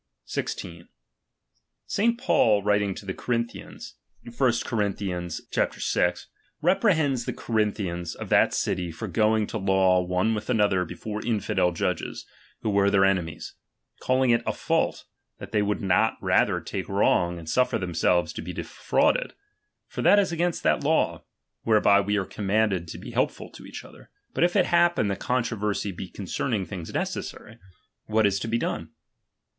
Ai«nrap 16. St. Paul, writing to the Corinthians (1 Epist. iKMi, ungaju.i«e.yj^^ reprehends the Corinthians of that city for going to law one with another before infidel judges, who were their enemies : calling it a fault, that they would not rather take wrong, and suffer themselves to be defrauded ; for that is against that law, whereby we are commanded to be helpful to each other. But if it happen the controversy be concerning things necessary, what libehty. is to be done?